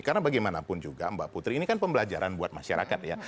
karena bagaimanapun juga mbak putri ini kan pembelajaran buat masyarakat ya